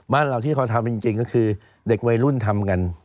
บ้านเราที่เขาทำจริงก็คือเด็กวัยรุ่นทำกัน